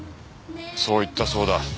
そう言ったそうだ